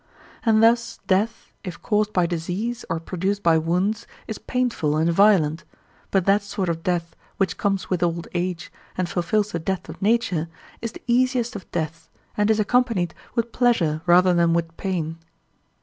And thus death, if caused by disease or produced by wounds, is painful and violent; but that sort of death which comes with old age and fulfils the debt of nature is the easiest of deaths, and is accompanied with pleasure rather than with pain.